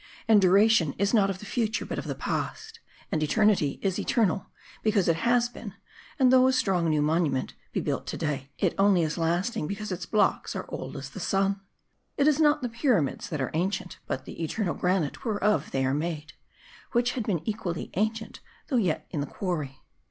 And duration is not of the future, but of the past ; and eternity is eternal, because it has been ; and though a strong new monument be builded to day, it only is lasting because its blocks are old as the sun. It is not the Pyramids that are ancient, but the eternal granite whereof they are made ; which had been equally ancient though yet in the quarry.